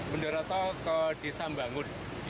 bendoroto ke desa bangun